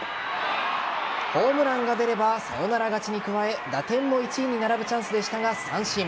ホームランが出ればサヨナラ勝ちに加え打点も１位に並ぶチャンスでしたが三振。